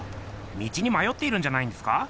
道にまよっているんじゃないんですか？